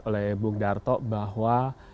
oleh bu gdarto bahwa